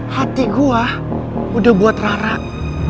hati gue udah buat rarak